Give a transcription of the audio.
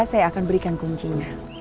saya akan berikan kuncinya